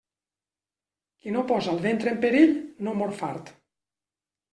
Qui no posa el ventre en perill no mor fart.